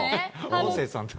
音声さんとか。